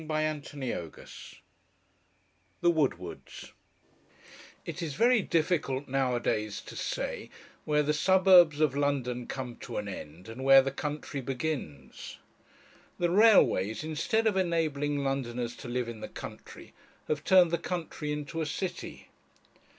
CHAPTER III THE WOODWARDS It is very difficult nowadays to say where the suburbs of London come to an end, and where the country begins. The railways, instead of enabling Londoners to live in the country, have turned the country into a city.